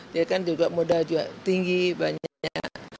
dia kan juga modal tinggi banyaknya